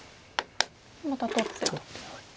また取ってと。